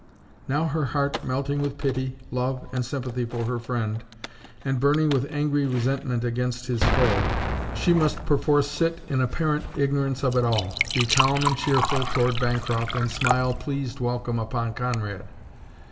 Now, her heart melting with pity, love, and sympathy for her friend, and burning with angry resentment against his foe, she must perforce sit in apparent ignorance of it all, be calm and cheerful toward Bancroft, and smile pleased welcome upon Conrad.